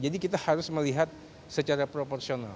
jadi kita harus melihat secara proporsional